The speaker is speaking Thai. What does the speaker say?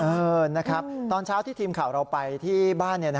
เออนะครับตอนเช้าที่ทีมข่าวเราไปที่บ้าน